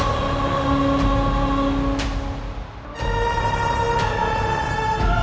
maka raden akan menunjukkan bahwa itu adalah kejahatan